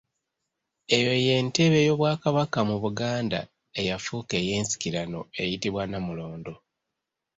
Eyo ye ntebe y'Obwakabaka mu Buganda eyafuuka ey'ensikirano eyitibwa Nnamulondo.